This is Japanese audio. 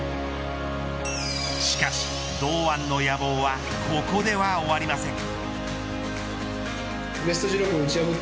しかし、堂安の野望はここでは終わりません。